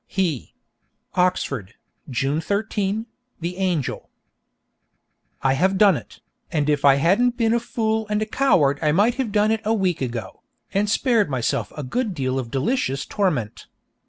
He Oxford, June 13, The Angel. I have done it, and if I hadn't been a fool and a coward I might have done it a week ago, and spared myself a good deal of delicious torment.